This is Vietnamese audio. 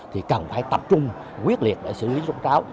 thì cần phải tập trung quyết liệt để xử lý rốt ráo